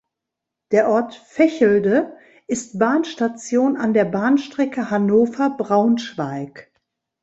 Der Ort Vechelde ist Bahnstation an der Bahnstrecke Hannover–Braunschweig.